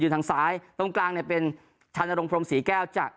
ยืนทางซ้ายตรงกลางเนี่ยเป็นทันลงโพลมสีแก้วจาก